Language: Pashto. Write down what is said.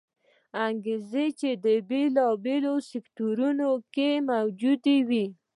انګېزې چې د بېلابېلو سکتورونو کې موجودې وې